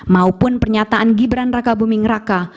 maupun pernyataan gibran raka buming raka